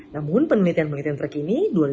namun penelitian penelitian terkini